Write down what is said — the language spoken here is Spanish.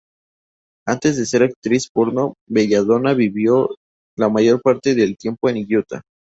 Antes de ser actriz porno, Belladonna vivió la mayor parte del tiempo en Utah.